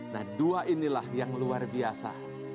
nah dua inilah yang luar biasa